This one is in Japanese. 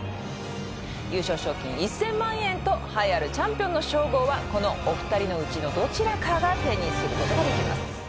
優勝賞金１０００万円と栄えあるチャンピオンの称号はこのお二人のうちのどちらかが手にすることができます